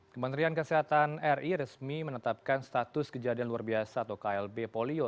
kementerian kesehatan ri resmi menetapkan status kejadian luar biasa atau klb polio